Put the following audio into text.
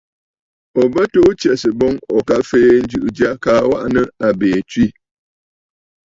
Ò bə tuu tsɛ̀sə̀ boŋ ò ka fèe njɨ̀ʼɨ̀ jya kaa waʼà nɨ̂ àbìì tswə̂.